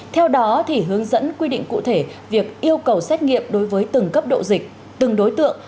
theo đó hướng dẫn quy định cụ thể việc yêu cầu xét nghiệm đối với từng cấp độ dịch từng đối tượng